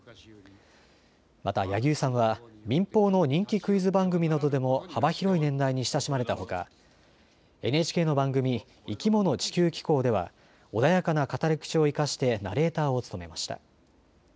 また柳生さんは民放の人気クイズ番組などでも幅広い年代に親しまれたほかＮＨＫの番組、生きもの地球紀行では穏やかな語り口を生かしてナレーターを務めました。